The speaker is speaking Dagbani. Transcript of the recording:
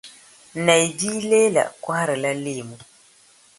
Nayi bia Leela kɔhirila leemu.